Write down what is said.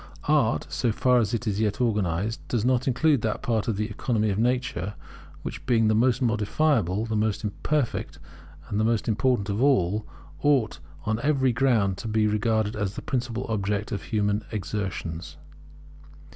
Art, so far as it is yet organized, does not include that part of the economy of nature which, being the most modifiable, the most imperfect, and the most important of all, ought on every ground to be regarded as the principal object of human exertions.